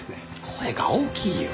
声が大きいよ。